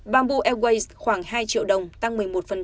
bamboo airways khoảng hai triệu đồng tăng một mươi một